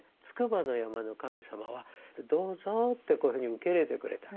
筑波の山の神様は「どうぞ」ってこういうふうに受け入れてくれた。